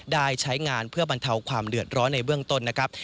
ได้ใช้งานเพื่อบรรเทาความเดือดร้อนในเบื้องต้นนะครับ